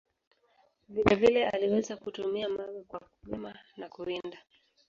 Vile vile, aliweza kutumia mawe kwa kulima na kuwinda.